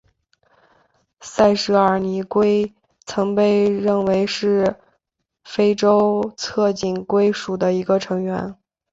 塞舌耳泥龟曾被认为是非洲侧颈龟属的一个成员。